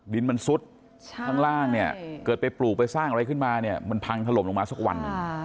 ดินมันซุดข้างล่างเนี่ยเกิดไปปลูกไปสร้างอะไรขึ้นมาเนี่ยมันพังถล่มลงมาสักวันหนึ่ง